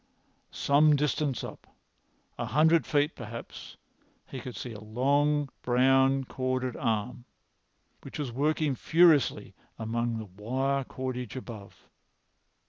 Some distance up—a hundred feet, perhaps—he could see a long brown corded arm, which was working furiously among the wire cordage above.